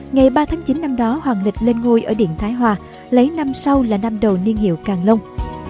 ngày ba tháng chín năm đó hoàng lịch lên ngôi ở điện thái hòa lấy năm sau là năm đầu niên hiệu càng long